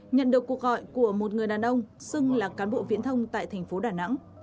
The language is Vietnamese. nhận được cuộc gọi của một người đàn ông xưng là cán bộ viễn thông tại thành phố đà nẵng